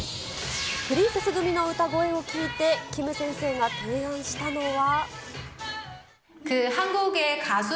プリンセス組の歌声を聴いて、キム先生が提案したのは。